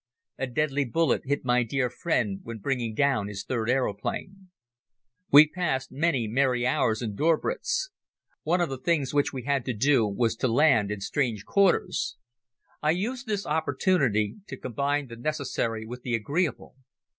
A deadly bullet hit my dear friend when bringing down his third aeroplane. We passed many merry hours in Döberitz. One of the things which we had to do was to land in strange quarters. I used the opportunity to combine the necessary with the agreeable.